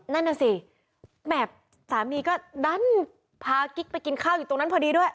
นั่นน่ะสิแหม่สามีก็ดันพากิ๊กไปกินข้าวอยู่ตรงนั้นพอดีด้วย